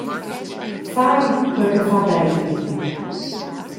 Fai quei che fa bein a ti.